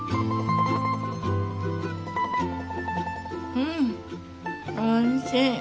うんおいしい。